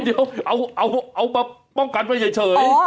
เดี๋ยวเอามาป้องกันไว้เฉย